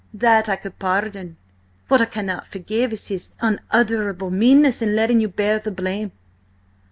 "That I could pardon. What I cannot forgive is his—unutterable meanness in letting you bear the blame."